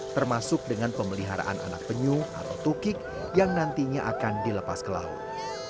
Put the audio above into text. termasuk dengan pemeliharaan anak penyu atau tukik yang nantinya akan dilepas ke laut